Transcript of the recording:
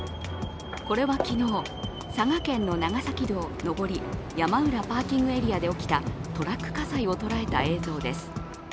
これは昨日、佐賀県の長崎道上り山浦パーキングエリアで起きたトラック火災を捉えた映像です。